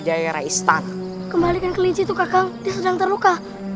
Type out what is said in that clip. jangan kakang kembalikan kelinci itu kakang dia sedang terluka